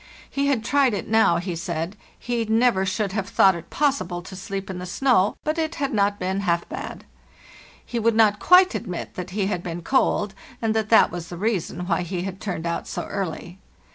He had tried it now, he said; he never should have thought it possible to sleep in the snow, but it had not been half bad. He would not quite admit that he had been cold, and that that was the reason why he had turned out so early.